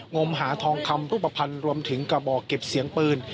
มหาทองคำรูปภัณฑ์รวมถึงกระบอกเก็บเสียงปืน